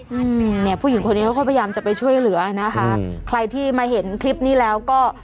อืมเนี่ยผู้หญิงคนนี้เขาก็พยายามจะไปช่วยเหลือนะคะใครที่มาเห็นคลิปนี้แล้วก็